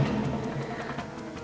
tidak ada apa apa